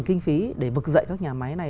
kinh phí để vực dậy các nhà máy này